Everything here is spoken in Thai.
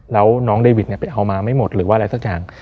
แล้วน้องเดวิดไปเอามาไม่หมดหรือว่าอะไรสักอย่าง